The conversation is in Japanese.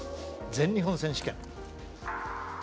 全日本選手権。